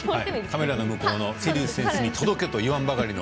カメラの前の瀬立選手に届けといわんばかりの。